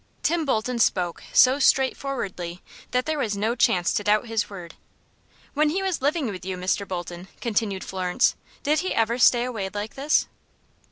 Tim Bolton spoke so straightforwardly that there was no chance to doubt his word. "When he was living with you, Mr. Bolton," continued Florence, "did he ever stay away like this?"